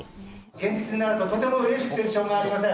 現実になるととてもうれしくてしょうがありません。